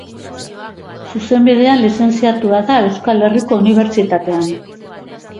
Zuzenbidean lizentziatua da Euskal Herriko Unibertsitatean.